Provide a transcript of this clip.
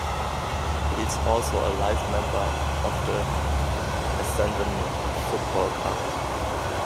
He is also a life member of the Essendon Football Club.